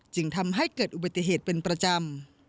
จึงทำให้เกิดอุบัติเหตุเป็นประจำ